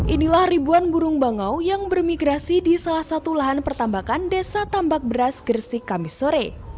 inilah ribuan burung bangau yang bermigrasi di salah satu lahan pertambakan desa tambak beras gresik kamisore